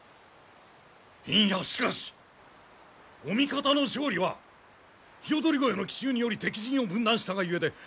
いやしかしお味方の勝利は鵯越の奇襲により敵陣を分断したがゆえで